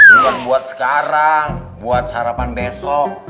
bukan buat sekarang buat sarapan besok